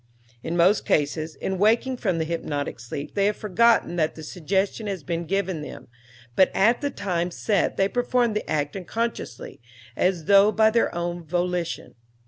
In most cases, in waking from the hypnotic sleep they have forgotten that the suggestion has been given them, but at the time set they perform the act unconsciously, as though by their own volition.